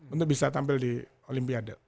untuk bisa tampil di olimpiade